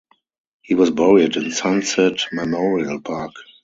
He was buried in Sunset Memorial Park.